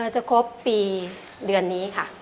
จะครบปีเดือนนี้ค่ะ